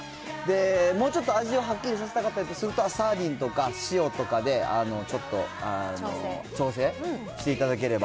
もうちょっと味をはっきりさせたかったりする人は、サーディンとか塩とかで、ちょっと調整していただければ。